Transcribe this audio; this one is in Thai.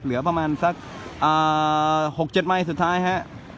เหลือประมาณสัก๖๗ไมค์สุดท้ายฮะ